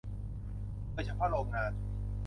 โดยเฉพาะโรงงาน